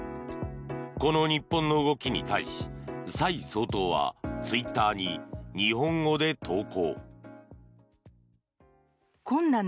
この日本の動きに対し蔡総統はツイッターに日本語で投稿。